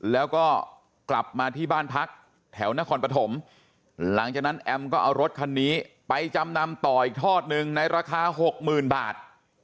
แล้วก็กลับมาที่บ้านพักแถวนครปฐมหลังจากนั้นแอมก็เอารถคันนี้ไปจำนำต่ออีกทอดหนึ่งในราคา๖๐๐๐บาท